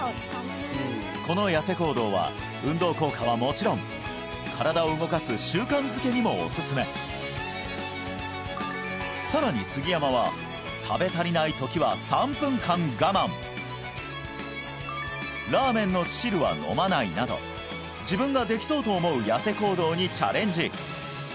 このヤセ行動は運動効果はもちろん身体を動かす習慣づけにもおすすめさらに杉山は食べ足りないときは３分間我慢ラーメンの汁は飲まないなど自分ができそうと思うヤセ行動にチャレンジ